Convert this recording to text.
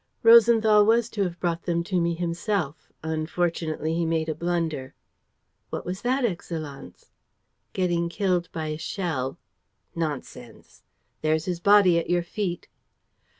"Rosenthal was to have brought them to me himself. Unfortunately, he made a blunder." "What was that, Excellenz?" "Getting killed by a shell." "Nonsense!" "There's his body at your feet."